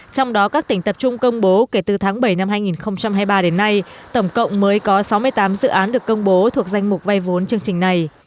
trong đó các tỉnh tập trung công bố kể từ tháng bảy năm hai nghìn hai mươi ba đến nay tổng cộng mới có sáu mươi tám dự án được công bố thuộc danh mục vay vốn chương trình này